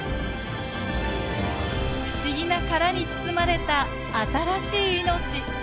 不思議な殻に包まれた新しい命。